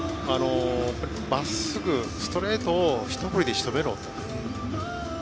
まっすぐ、ストレートを一振りでしとめろと。